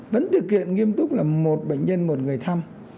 vẫn thực hiện nghiêm túc là một bệnh nhân một người thăm